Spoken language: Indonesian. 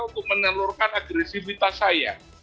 untuk menyalurkan agresivitas saya